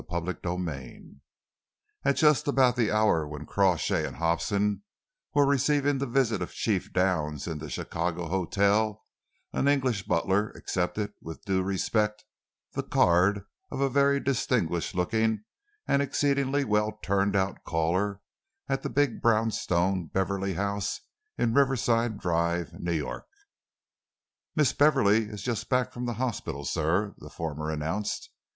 CHAPTER II At just about the hour when Crawshay and Hobson were receiving the visit of Chief Downs in the Chicago hotel an English butler accepted with due respect the card of a very distinguished looking and exceedingly well turned out caller at the big, brownstone Beverley house in Riverside Drive, New York. "Miss Beverley is just back from the hospital, sir," the former announced.